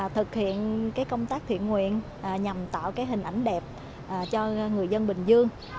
thực hiện công tác thiện nguyện nhằm tạo hình ảnh đẹp cho người dân bình dương